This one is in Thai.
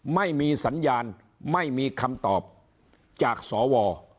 ไม่มีสัญญาณไม่มีคำตอบจากสว